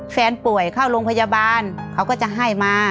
แฟนป่วยเข้าโรงพยาบาลเขาก็จะให้มา